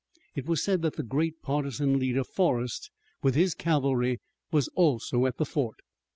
It was said that the great partisan leader, Forrest, with his cavalry, was also at the fort.